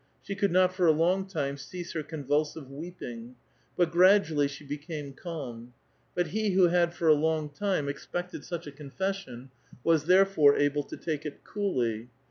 She could not for a long time cease her convulsive weeping ; but gi'adually she became calm. But he wlio had for a long time expected such a confession, was therefore able to take it coolly.